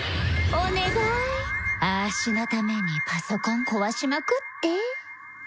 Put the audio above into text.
「お願い」「あーしのためにパソコン壊しまくって」